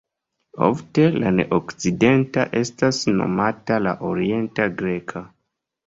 Ofte la ne-okcidenta estas nomata la Orienta Greka.